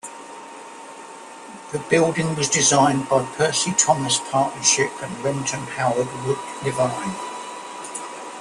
The building was designed by Percy Thomas Partnership and Renton Howard Wood Levin.